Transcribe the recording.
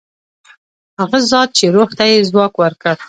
هغه ذات چې روح ته یې ځواک ورکړ.